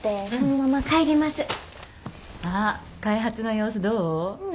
あっ開発の様子どう？